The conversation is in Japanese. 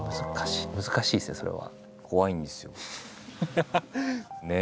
難しいですよねそれは。